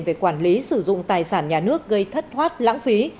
về quản lý sử dụng tài sản nhà nước gây thất thoát lãng phí